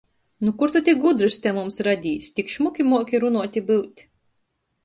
Nu kur tu tik gudrys te mums radīs! Tik šmuki muoki runuot i byut!